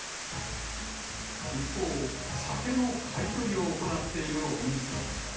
一方、酒の買い取りを行っているお店。